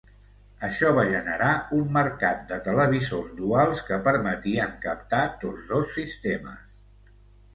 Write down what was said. Això va generar un mercat de televisors duals que permetien captar tots dos sistemes.